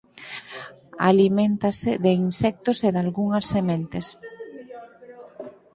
Aliméntase de insectos e dalgunhas sementes.